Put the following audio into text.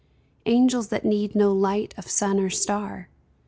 Angels that need no light of sun or star